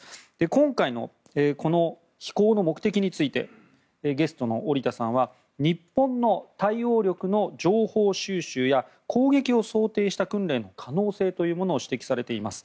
今回の飛行の目的についてゲストの織田さんは日本の対応力の情報収集や攻撃を想定した訓練の可能性というものを指摘されています。